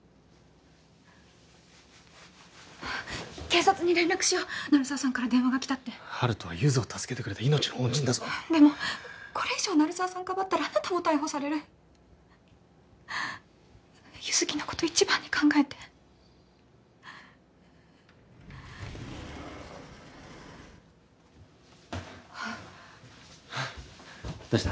警察に連絡しよう鳴沢さんから電話がきたって温人はゆづを助けてくれた命の恩人だぞでもこれ以上鳴沢さんかばったらあなたも逮捕される優月のこと一番に考えてあっどうした？